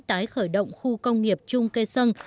tái khởi động khu công nghiệp trung kê sân